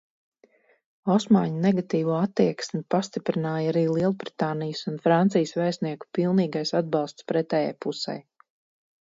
Osmaņu negatīvo attieksmi pastiprināja arī Lielbritānijas un Francijas vēstnieku pilnīgais atbalsts pretējai pusei.